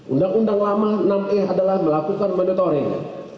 undang undang lama enam e adalah melakukan monitoring